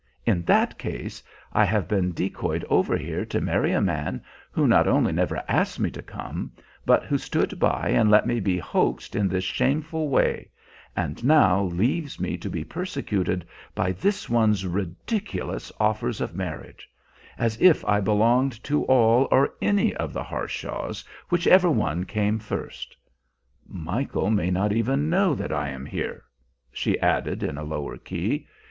In that case I have been decoyed over here to marry a man who not only never asked me to come, but who stood by and let me be hoaxed in this shameful way, and now leaves me to be persecuted by this one's ridiculous offers of marriage, as if I belonged to all or any of the Harshaws, whichever one came first! Michael may not even know that I am here," she added in a lower key.